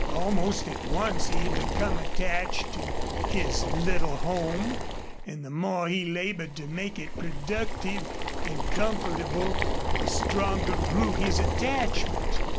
Almost at once he had become attached to his little home, and the more he labored to make it productive and comfortable the stronger grew his attachment.